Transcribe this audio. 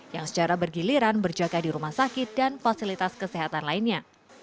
yang secara bergiliran berjaga di rumah sakit dan fasilitas kesehatan lainnya